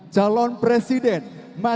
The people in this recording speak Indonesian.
calon presiden ketua dpp pdi perjuangan